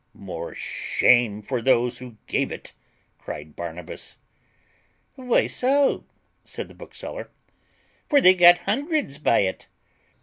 "More shame for those who gave it," cried Barnabas. "Why so?" said the bookseller, "for they got hundreds by it."